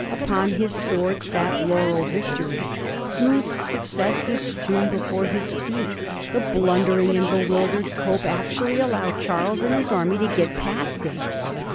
Upon his sword sat laurel victory. Smooth success was strewn before his feet. The blundering and bewildered Cope actually allowed Charles and his army to get past him.